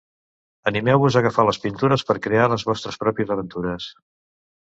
Animeu-vos a agafar les pintures per crear les vostres pròpies aventures.